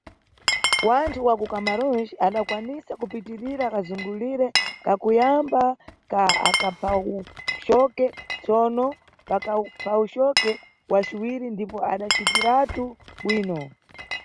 Wanthu wa kuCamarões adakwanisa kupitirira kazungulire kakuyamba ka akaphawucoke, tsono pakaphawucoke wa ciwiri ndipo adacitiratu bwino.